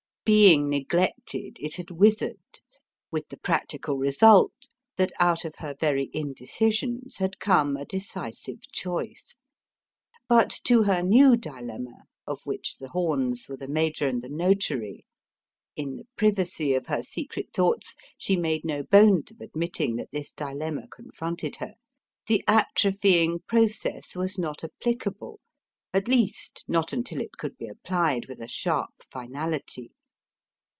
Being neglected, it had withered: with the practical result that out of her very indecisions had come a decisive choice. But to her new dilemma, of which the horns were the Major and the Notary in the privacy of her secret thoughts she made no bones of admitting that this dilemma confronted her the atrophying process was not applicable; at least, not until it could be applied with a sharp finality.